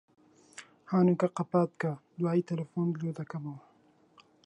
هەنووکە قەپات بکە، دوایێ تەلەفۆنت لۆ دەکەمەوە.